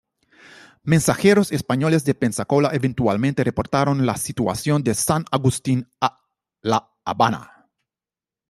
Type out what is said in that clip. Mensajeros españoles de Pensacola eventualmente reportaron la situación de San Agustín a La Habana.